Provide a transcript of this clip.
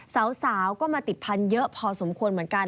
สาวก็มาติดพันธุ์เยอะพอสมควรเหมือนกัน